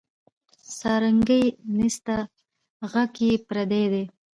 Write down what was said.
سارنګۍ نسته ږغ یې پردی دی